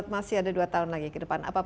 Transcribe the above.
masih ada dua tahun lagi ke depan